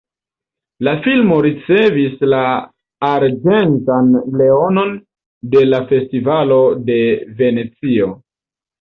La filmo ricevis la arĝentan leonon de la festivalo de Venecio.